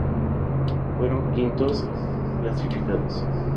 Fueron quintos clasificados.